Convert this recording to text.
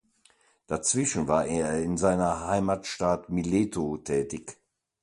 Dazwischen war er in seiner Heimatstadt Mileto tätig.